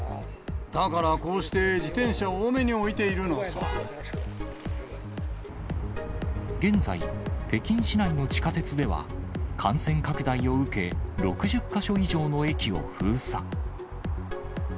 だから、こうして自転車を多めに現在、北京市内の地下鉄では、感染拡大を受け、６０か所以上の駅を封鎖。